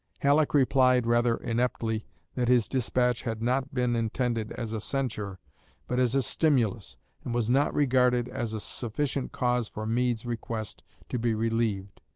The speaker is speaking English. Halleck replied, rather ineptly, that his despatch had not been intended as a censure, but as a "stimulus," and was not regarded as a sufficient cause for Meade's request to be relieved.